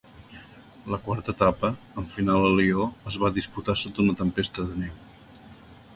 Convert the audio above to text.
La quarta etapa, amb final a Lió, es va disputar sota una tempesta de neu.